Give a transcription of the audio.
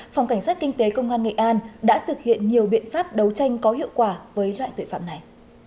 phòng cảnh sát kinh tế công an nghệ an đã thực hiện nhiều biện pháp đấu tranh có hiệu quả với loại tội phạm này